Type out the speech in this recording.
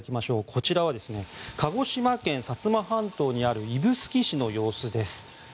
こちらは鹿児島県・薩摩半島にある指宿市の様子です。